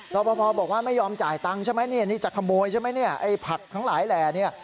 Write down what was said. ต่อมาพอบอกว่าไม่ยอมจ่ายตังค์ใช่ไหมนี่จะขโมยใช่ไหมไอ้ผักทั้งหลายแหล่นี่